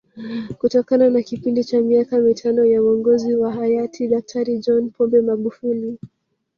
Kutokana na kipindi cha miaka mitano ya Uongozi wa Hayati Daktari John Pombe Magufuli